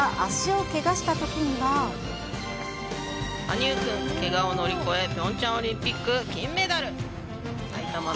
羽生くん、けがを乗り越え、ピョンチャンオリンピック金メダル！